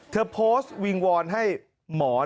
เธอโพสต์วิงวอนให้หมอ